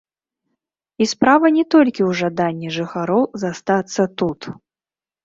І справа не толькі ў жаданні жыхароў застацца тут.